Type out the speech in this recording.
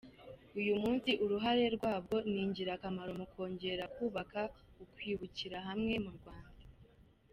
Uyu munsi, uruhare rwabwo ni ingirakamaro mu kongera kubaka ukwibukira hamwe mu Rwanda.